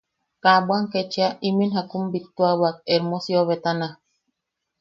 Ka bwan ketchia imin jakun bittuawak Hermosio betana.